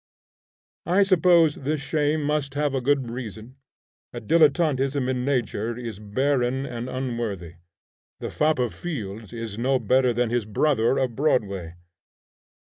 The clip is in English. I suppose this shame must have a good reason. A dilettantism in nature is barren and unworthy. The fop of fields is no better than his brother of Broadway.